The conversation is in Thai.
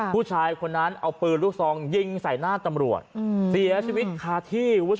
ผู้ชายคนนั้นเอาปืนลูกซองยิงใส่หน้าตำรวจเสียชีวิตคาที่คุณผู้ชม